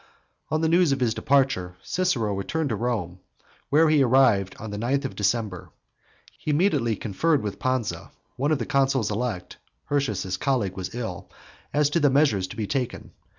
On the news of his departure Cicero returned to Rome, where he arrived on the ninth of December. He immediately conferred with Pansa, one of the consuls elect, (Hirtius his colleague was ill,) as to the measures to be taken.